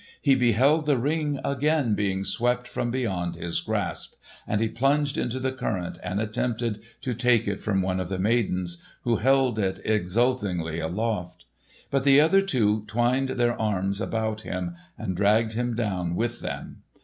He beheld the Ring again being swept from beyond his grasp, and he plunged into the current and attempted to take it from one of the maidens who held it exultingly aloft. But the other two twined their arms about him and dragged him down with them.